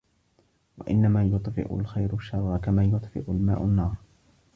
وَإِنَّمَا يُطْفِئُ الْخَيْرُ الشَّرَّ كَمَا يُطْفِئُ الْمَاءُ النَّارَ